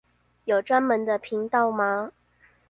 有專門的頻道嗎